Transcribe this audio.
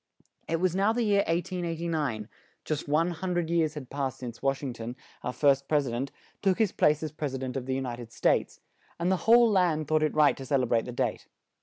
It was now the year 1889; just one hun dred years had passed since Wash ing ton, our first pres i dent, took his place as Pres i dent of the U nit ed States; and the whole land thought it right to cel e brate the date.